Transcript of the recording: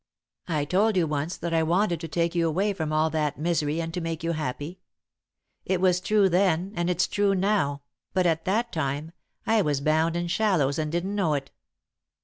"I told you once that I wanted to take you away from all that misery, and to make you happy. It was true then, and it's true now, but, at that time, I was bound in shallows and didn't know it.